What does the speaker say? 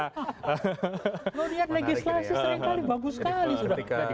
lihat legislasi seringkali